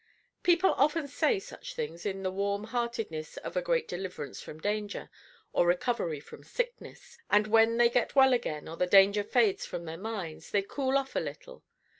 People often say such things in the warm heartedness of a great deliverance from danger, or recovery from sickness, and when they get well again, or the danger fades from their minds, they cool off a little.